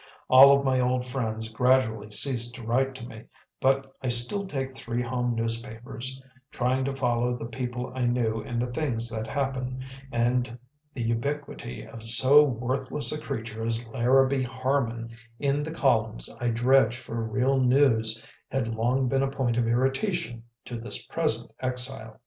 All of my old friends gradually ceased to write to me, but I still take three home newspapers, trying to follow the people I knew and the things that happen; and the ubiquity of so worthless a creature as Larrabee Harman in the columns I dredged for real news had long been a point of irritation to this present exile.